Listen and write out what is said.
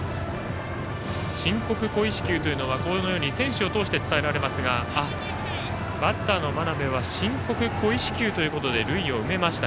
申告故意四球というのは選手を通して伝えられますがバッターの真鍋は申告故意四球ということで塁を埋めました。